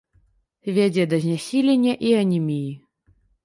Вядзе да знясілення і анеміі.